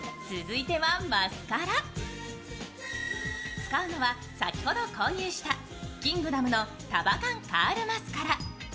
使うのは先ほど購入したキングダムの束感カールマスカラ。